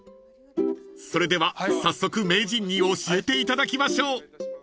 ［それでは早速名人に教えていただきましょう］